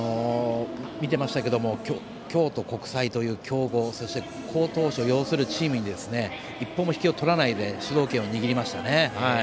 見てましたけど京都国際という強豪そして、好投手を擁するチームに一歩も引けを取らないで主導権を握りましたね。